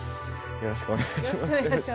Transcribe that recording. よろしくお願いします。